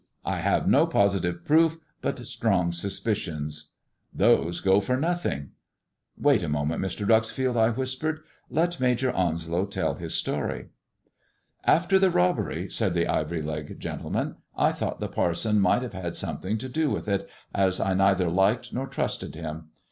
I have no positive proof, but strong suspicions." " Those go for nothing." " Wait a moment, Mr. Dreuxfield," I whispered. " Let Major Onslow tell his story." "After the robbery," said the ivory leg gentleman, "I thought the parson might have had something to do with it, as I neither liked nor trusted him.